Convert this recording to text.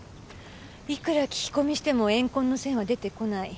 いくら聞き込みしても怨恨の線は出てこない。